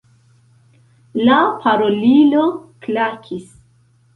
La parolilo klakis.